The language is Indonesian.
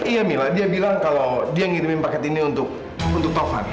iya mila dia bilang kalau dia ngirimin paket ini untuk tovan